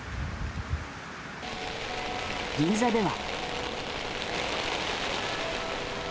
銀座では。